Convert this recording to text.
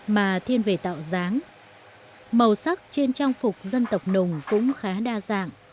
màu sắc trên trang phục dân tộc nùng cũng khá đa dạng